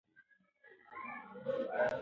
ده په موټ کې پیسې ډېرې ټینګې نیولې وې.